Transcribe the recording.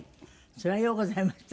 それはようございましたね。